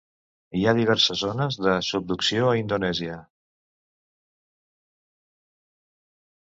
Hi ha diverses zones de subducció a Indonèsia.